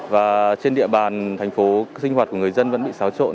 và trên địa bàn thành phố sinh hoạt của người dân vẫn bị xáo trộn